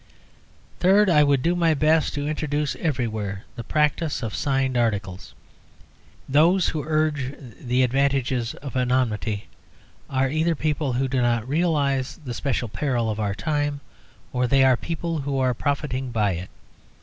Third, I would do my best to introduce everywhere the practice of signed articles. Those who urge the advantages of anonymity are either people who do not realise the special peril of our time or they are people who are profiting by it.